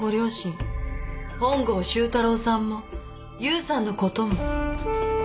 本郷周太郎さんもユウさんのことも。